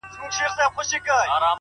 زاغ نيولي ځالګۍ دي د بلبلو.!